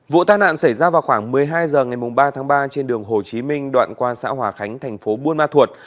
vụ tai nạn xảy ra vào khoảng một mươi hai h ngày ba tháng ba trên đường hồ chí minh đoạn qua xã hòa khánh thành phố buôn ma thuột